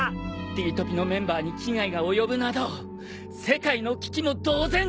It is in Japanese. Ｄトピのメンバーに危害が及ぶなど世界の危機も同然！